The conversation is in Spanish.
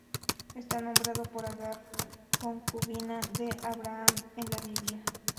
Está nombrado por Agar, concubina de Abraham en la Biblia.